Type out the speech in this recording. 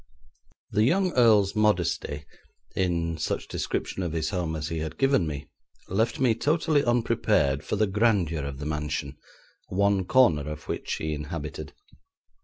The young earl's modesty in such description of his home as he had given me, left me totally unprepared for the grandeur of the mansion, one corner of which he inhabited.